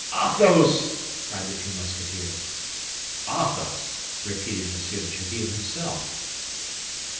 "Athos!" cried the two Musketeers. "Athos!" repeated M. de Tréville himself.